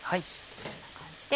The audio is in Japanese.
こんな感じで。